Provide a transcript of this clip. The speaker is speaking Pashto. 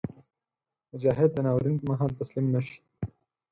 مجاهد د ناورین پر مهال تسلیم نهشي.